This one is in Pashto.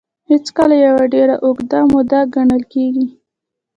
هېڅکله يوه ډېره اوږده موده ګڼل کېږي.